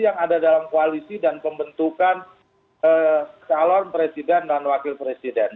yang ada dalam koalisi dan pembentukan calon presiden dan wakil presiden